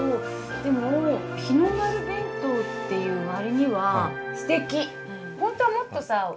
でも日の丸弁当っていう割にはすてき。